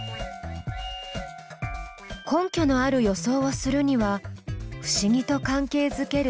根拠のある予想をするには不思議と関係づける